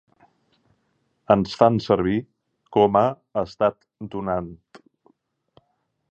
Ens fan servir com a estat donant.